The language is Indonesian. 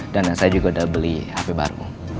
dan saya juga udah beli hp baru